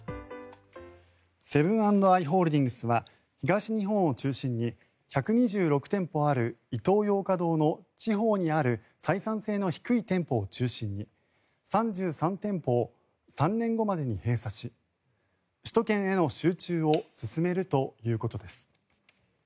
セブン＆アイ・ホールディングスは東日本を中心に１２６店舗あるイトーヨーカ堂の地方にある採算性の低い店舗を中心に３３店舗を３年後までに閉鎖し首都圏への集中を進めるということです。